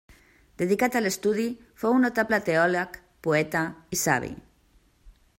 Dedicat a l'estudi fou un notable teòleg, poeta i savi.